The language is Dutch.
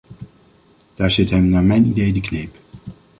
Daar zit hem naar mijn idee de kneep.